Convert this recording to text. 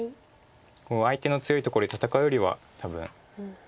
相手の強いところで戦うよりは多分。